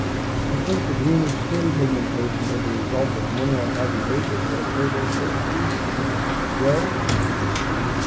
"I think the greenish skin pigmentation is a result of mineral heavy vapors that occur during certain seasons. The growth.